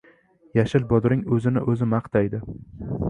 • Yashil bodring o‘zini o‘zi maqtaydi.